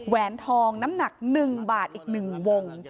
แหนทองน้ำหนัก๑บาทอีก๑วง